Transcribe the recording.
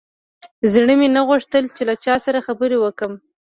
زړه مې نه غوښتل چې له چا سره خبرې وکړم.